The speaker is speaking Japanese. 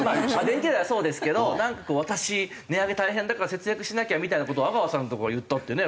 電気代はそうですけど「私値上げ大変だから節約しなきゃ」みたいな事を阿川さんとかが言ったってね